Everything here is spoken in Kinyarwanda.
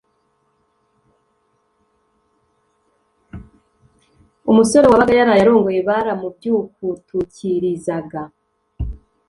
Umusore wabaga yaraye arongoye baramubyukutukirizaga